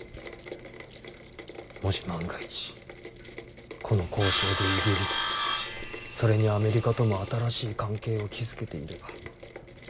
もし万が一この交渉でイギリスそれにアメリカとも新しい関係を築けていれば。